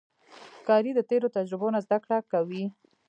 ښکاري د تیرو تجربو نه زده کړه کوي.